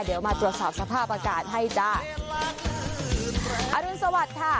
เดี๋ยวมาตรวจสอบสภาพอากาศให้จ้าอรุณสวัสดิ์ค่ะ